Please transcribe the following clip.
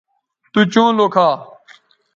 تو چوں لوکھا